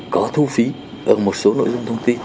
có thu phí ở một số nội dung thông tin